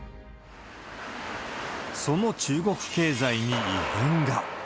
その中国経済に異変が。